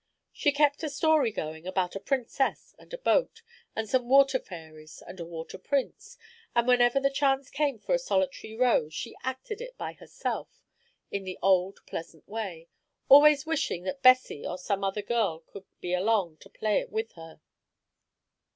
She kept a story going about a princess and a boat, and some water fairies and a water prince, and whenever the chance came for a solitary row, she "acted" it by herself in the old pleasant way, always wishing that Bessie or some other girl could be along to play it with her.